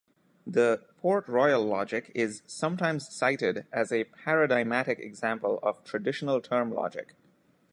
The "Port-Royal Logic" is sometimes cited as a paradigmatic example of traditional term logic.